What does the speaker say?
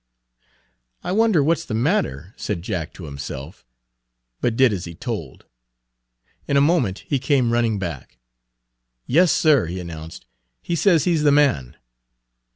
"I wonder what 's the matter?" said Jack to himself, but did as he was told. In a moment he came running back. "Yes, sir," he announced; "he says he's the man."